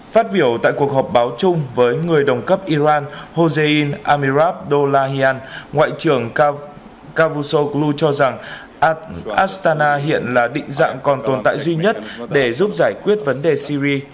phát biểu tại cuộc họp báo chung với người đồng cấp iran hosen amirab dolahian ngoại trưởng cavusoglu cho rằng astana hiện là định dạng còn tồn tại duy nhất để giúp giải quyết vấn đề syri